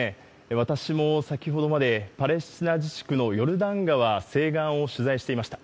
私も先ほどまでパレスチナ自治区のヨルダン川西岸を取材していました。